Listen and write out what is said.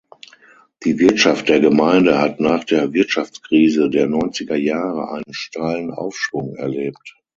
Die Wirtschaft der Gemeinde hat nach der Wirtschaftskrise der Neunzigerjahre einen steilen Aufschwung erlebt.